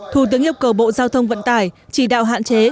thủ tướng yêu cầu bộ giao thông vận tải chỉ đạo hạn chế